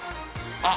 あっ！